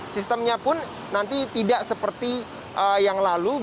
sistemnya pun nanti tidak seperti yang lalu